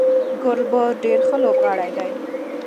ګربز ډیر ښه لوبغاړی دی